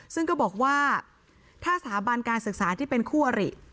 ซึ่งก็บอกว่าถ้าสถาบันการศึกษาที่เป็นคู่อริ